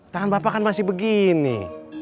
tangan bapak kan masih begini